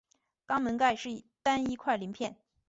肛门盖是单一块鳞片。